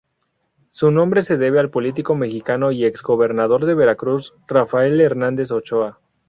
Su nombre se debe al político mexicano y ex-gobernador de Veracruz; Rafael Hernández Ochoa.